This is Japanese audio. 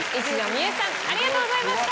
未悠さんありがとうございました！